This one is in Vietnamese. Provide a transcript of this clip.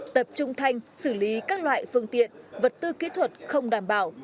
tập trung thanh xử lý các loại phương tiện vật tư kỹ thuật không đảm bảo